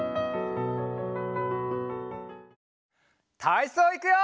たいそういくよ！